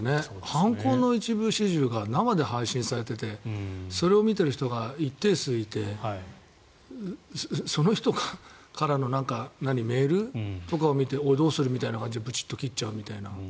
犯行の一部始終が生で配信されててそれを見ている人が一定数いてその人からのメールとかを見てどうするみたいな形でブチッと切っちゃうみたいな。